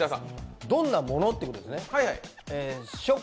どんなものということですね。